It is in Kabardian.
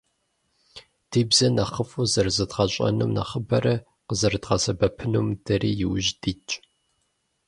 Ди бзэр нэхъыфӏу зэрызэдгъэщӀэнум, нэхъыбэрэ къызэрыдгъэсэбэпынум дэри иужь дитщ.